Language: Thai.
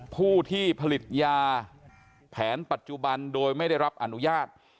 ผู้ที่ผลิตยาแผนปัจจุบันโดยไม่ได้รับอนุญาต